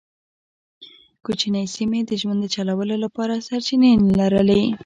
کوچنۍ سیمې د ژوند د چلولو لپاره سرچینې نه لرلې.